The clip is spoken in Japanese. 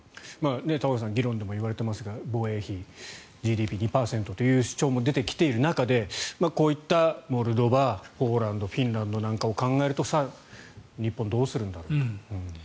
議論でも言われていますが防衛費、ＧＤＰ比２％という主張も出てきている中でこういったモルドバポーランドフィンランドなんかを考えると日本はどうするんだと。